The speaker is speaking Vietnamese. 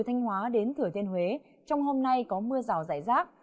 từ thanh hóa đến thửa thiên huế trong hôm nay có mưa rào dài rác